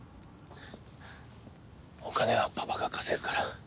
お金はパパが稼ぐから。